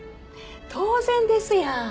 当然ですやん。